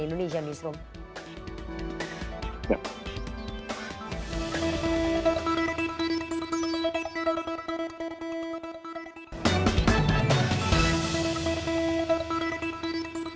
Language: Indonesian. kami lanjutkan dialog pada sore hari ini